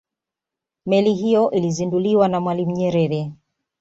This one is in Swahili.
meli hiyo ilizinduliwa na mwalimu nyerere